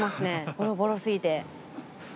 ボロボロ過ぎて。